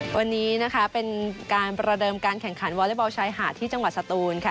วันนี้นะคะเป็นการประเดิมการแข่งขันวอเล็กบอลชายหาดที่จังหวัดสตูนค่ะ